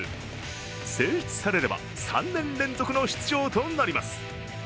選出されれば、３年連続の出場となります。